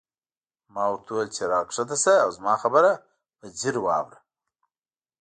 ما ورته وویل چې راکښته شه او زما خبره په ځیر واوره.